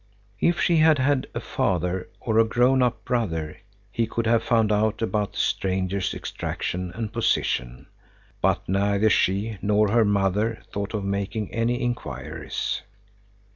If she had had a father or a grown up brother, he could have found out about the stranger's extraction and position, but neither she nor her mother thought of making any inquiries.